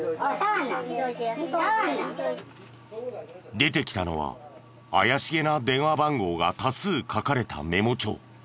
出てきたのは怪しげな電話番号が多数書かれたメモ帳。